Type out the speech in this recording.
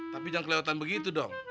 tapi jangan kelewatan begitu dong